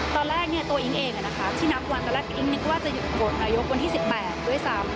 ตอนแรกตัวอิ๊งเองที่นับวันตอนแรกอิ๊งนึกว่าจะหยุดโหวตนายกวันที่๑๘ด้วยซ้ำ